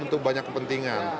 untuk banyak kepentingan